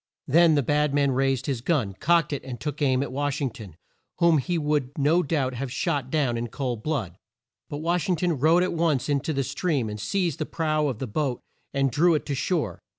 Then the bad man raised his gun, cocked it, and took aim at Wash ing ton, whom he would no doubt have shot down in cold blood. But Wash ing ton rode at once in to the stream, and seized the prow of the boat, and drew it to shore.